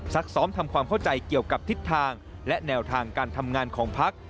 ซักซ้อมทำความเข้าใจเกี่ยวกับทิศทางและแนวทางการทำงานของพัก